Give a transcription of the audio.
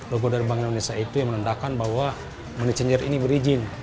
logo dari bank indonesia itu yang menandakan bahwa money changer ini berizin